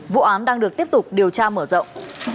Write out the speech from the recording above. vụ án đang được tiếp tục điều tra mở rộng